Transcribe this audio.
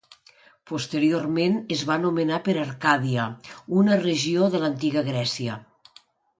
Posteriorment es va nomenar per Arcàdia, una regió de l'Antiga Grècia.